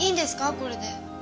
これで。